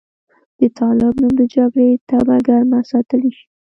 د طالب نوم د جګړې تبه ګرمه ساتلی شي.